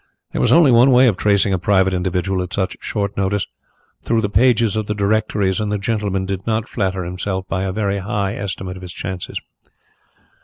There was only one way of tracing a private individual at such short notice through the pages of the directories, and the gentleman did not flatter himself by a very high estimate of his chances.